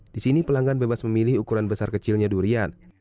di sini pelanggan bebas memilih ukuran besar kecilnya durian